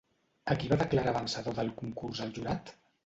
A qui va declarar vencedor del concurs el jurat?